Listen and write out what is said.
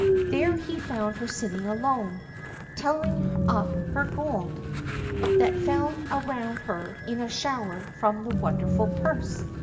There he found her sitting alone, telling up her gold, that fell around her in a shower from the wonderful purse.